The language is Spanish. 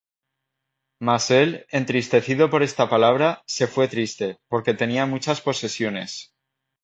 Mas él, entristecido por esta palabra, se fué triste, porque tenía muchas posesiones.